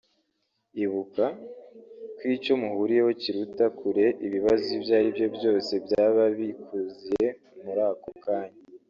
Ibuka ko icyo muhuriyeho kiruta kure ibibazo ibyo aribyo byose byaba bikuziye muri ako kanya